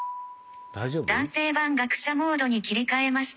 「男性版学者モードに切り替えました」